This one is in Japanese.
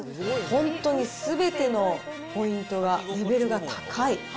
本当にすべてのポイントが、レベルが高い。